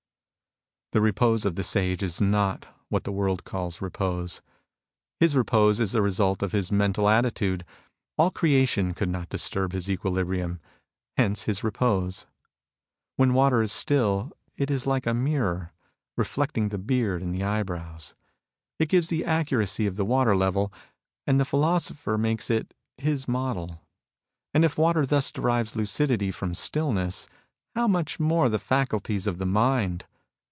The repose of the Sage is not what the world calls repose. His repose is the result of his mental attitude. All creation could not disturb his equilibrium : hence his repose. When water is still, it is like a mirror, reflecting the beard and the eyebrows. It gives the accuracy of the water level, and the philosopher makes it his model. And if water thus derives lucidity from stillness, how much more the faculties of the mind